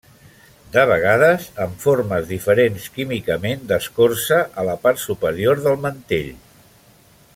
De vegades, amb formes diferents químicament d'escorça a la part superior del mantell.